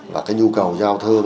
và cái nhu cầu giao thương